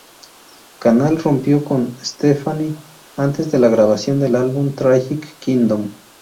Kanal rompió con Stefani antes de la grabación del álbum Tragic Kingdom.